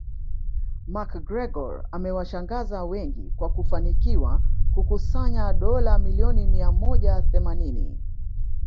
McGregor amewashangaza wengi kwa kufanikiwa kukusanya dola milioni mia moja themanini